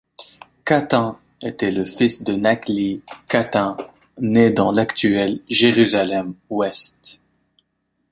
Cattan était le fils de Naklih Cattan, né dans l'actuelle Jérusalem ouest.